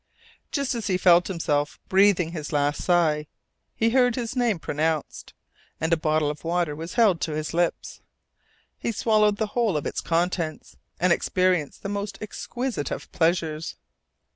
Just as he felt himself breathing his last sigh he heard his name pronounced, and a bottle of water was held to his lips. He swallowed the whole of its contents, and experienced the most exquisite of pleasures.